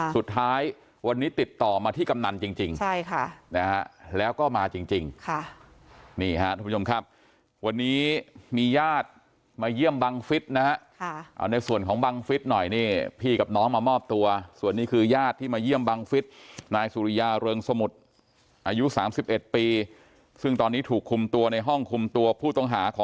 สุดท้ายวันนี้ติดต่อมาที่กำนันจริงใช่ค่ะนะฮะแล้วก็มาจริงค่ะนี่ฮะทุกผู้ชมครับวันนี้มีญาติมาเยี่ยมบังฟิศนะฮะเอาในส่วนของบังฟิศหน่อยนี่พี่กับน้องมามอบตัวส่วนนี้คือญาติที่มาเยี่ยมบังฟิศนายสุริยาเริงสมุทรอายุ๓๑ปีซึ่งตอนนี้ถูกคุมตัวในห้องคุมตัวผู้ต้องหาขอ